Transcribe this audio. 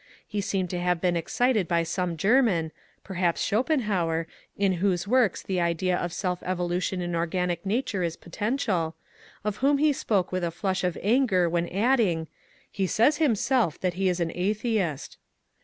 He seemed to have been excited by some Grerman, — perhaps Schopenhauer, in whose works the idea of self evolution in organic nature is potential, — of whom he spoke with a flush of anger when adding, ^^ He says himself that he is an atheist."